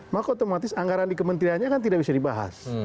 maka otomatis anggaran di kementeriannya kan tidak bisa dibahas